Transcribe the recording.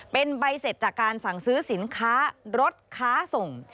เป็นใบเสร็จจากการสั่งซื้อสินค้ารถค้าส่ง